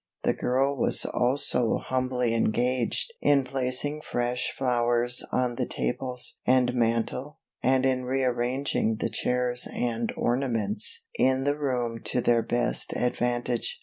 The girl was also humbly engaged in placing fresh flowers on the tables and mantel and in rearranging the chairs and ornaments in the room to their best advantage.